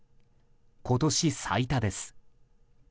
今年最多です。